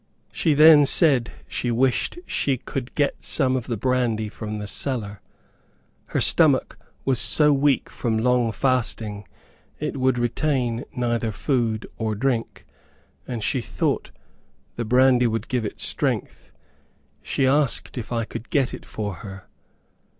She then said she wished she could get some of the brandy from the cellar. Her stomach was so weak from long fasting, it would retain neither food or drink, and she thought the brandy would give it strength. She asked if I could get it for her.